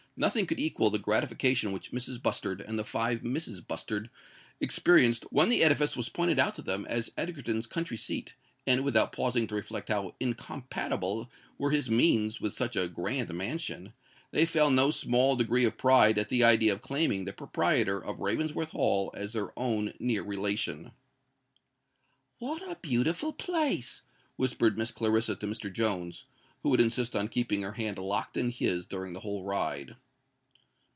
Nothing could equal the gratification which Mrs. Bustard and the five Misses Bustard experienced when the edifice was pointed out to them as Egerton's country seat; and, without pausing to reflect how incompatible were his means with such a grand mansion, they felt no small degree of pride at the idea of claiming the proprietor of Ravensworth Hall as their own near relation. "What a beautiful place!" whispered Miss Clarissa to Mr. Jones, who would insist on keeping her hand locked in his during the whole ride.